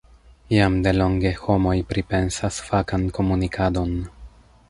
Jam delonge homoj pripensas fakan komunikadon.